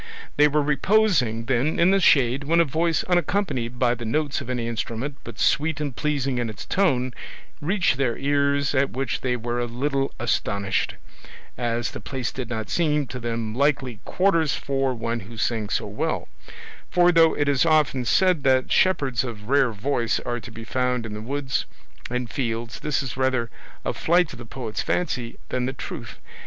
They were reposing, then, in the shade, when a voice unaccompanied by the notes of any instrument, but sweet and pleasing in its tone, reached their ears, at which they were not a little astonished, as the place did not seem to them likely quarters for one who sang so well; for though it is often said that shepherds of rare voice are to be found in the woods and fields, this is rather a flight of the poet's fancy than the truth.